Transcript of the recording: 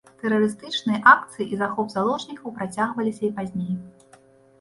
Тэрарыстычныя акцыі і захоп заложнікаў працягваліся і пазней.